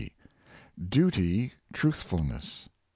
DUTY— TRUTHFULNESS.